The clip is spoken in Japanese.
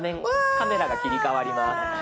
カメラが切り替わります。